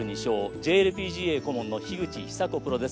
ＪＬＰＧＡ顧問の樋口久子プロです。